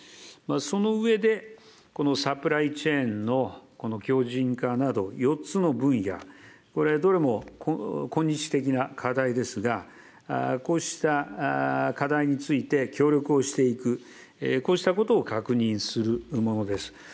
その上で、このサプライチェーンの強じん化など、４つの分野、これ、どれも今日的な課題ですが、こうした課題について協力をしていく、こうしたことを確認するものです。